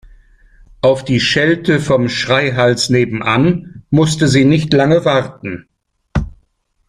Auf die Schelte vom Schreihals nebenan musste sie nicht lange warten.